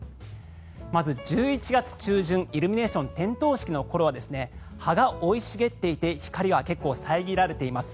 まず１１月中旬イルミネーション点灯式の頃は葉が生い茂っていて光は結構遮られています。